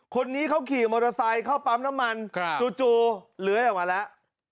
คนนี้เขาขี่มอเตอร์ไซค์เข้าปั๊มน้ำมันจู่เลื้อยออกมาแล้ว